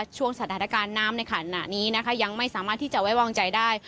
ช่วงสถานการณ์น้ำในขณะนี้นะคะยังไม่สามารถที่จะไว้วางใจได้